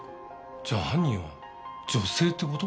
じゃあ犯人は女性って事？